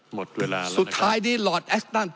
หมดเวลาแล้วนะครับสุดท้ายนี้ลอร์ดแอสตั้ง